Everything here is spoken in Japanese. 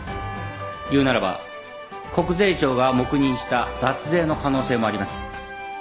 いうならば国税庁が黙認した脱税の可能性もあります。